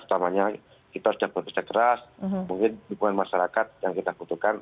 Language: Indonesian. utamanya kita harus dapat berpesta keras mungkin hubungan masyarakat yang kita butuhkan